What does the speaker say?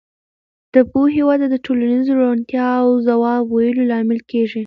د پوهې وده د ټولنیزې روڼتیا او ځواب ویلو لامل کېږي.